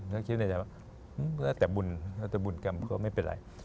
ก็คิดในใจว่าหืมแล้วแต่บุญกรรมก็ไม่เป็นไร